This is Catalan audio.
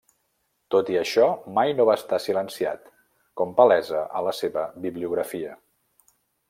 Tot i això, mai no va estar silenciat, com palesa a la seva bibliografia.